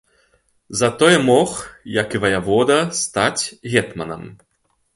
Затое мог, як і ваявода, стаць гетманам.